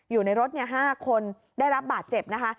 อยู่ในรถ๕คนได้รับบาดเจ็บนะคะ